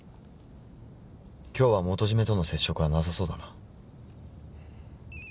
今日は元締との接触はなさそうだな。